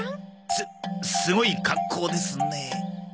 すすごい格好ですね。